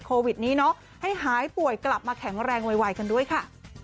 โควิดนี้เนาะให้หายป่วยกลับมาแข็งแรงไวกันด้วยค่ะ